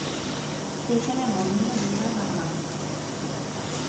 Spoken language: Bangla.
ষ্টেশনে বই নিয়ে বিষম হাঙ্গামা।